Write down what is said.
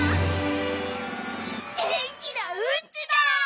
げんきなうんちだ！